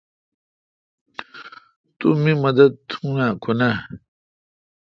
تو می مدد تھو اؘ کو نہ۔